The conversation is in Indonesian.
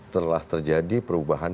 telah terjadi perubahan